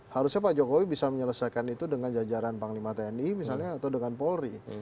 harusnya pak jokowi bisa menyelesaikan itu dengan jajaran panglima tni misalnya atau dengan polri